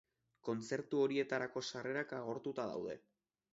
Kontzertu horietarako sarrerak agortuta daude.